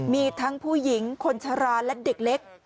มีทั้งผู้หญิงคนชะลาและเด็กเล็ก